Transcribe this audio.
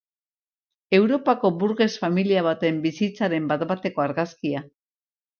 Europako burges familia baten bizitzaren bat-bateko argazkia.